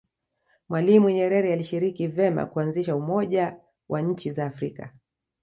mwalimu nyerere alishiriki vema kuanzisha umoja wa nchi za afrika